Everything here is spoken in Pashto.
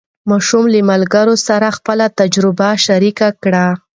ماشوم له ملګرو سره خپله تجربه شریکه کړه